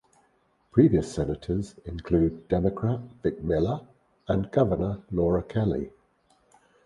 Previous senators include Democrat Vic Miller and Governor Laura Kelly.